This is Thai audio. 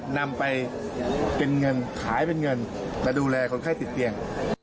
ตามไปเป็นเงินขายเป็นเงินแต่ดูแลคนไข้สิทธิ์เตียง